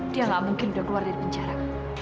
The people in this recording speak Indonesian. dia gak mungkin udah keluar dari penjara